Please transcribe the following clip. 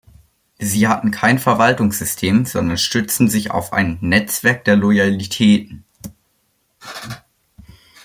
Sie hatten kein Verwaltungssystem, sondern stützten sich auf ein „Netzwerk der Loyalitäten“.